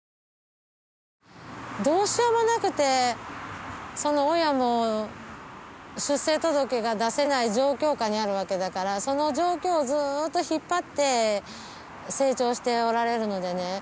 どうしようもなくてその親も出生届が出せない状況下にあるわけだからその状況をずっと引っ張って成長しておられるのでね